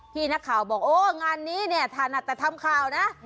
พี่นักข่าวบอกโอ้งานนี้เนี่ยท่านอาจจะทำข่าวนะ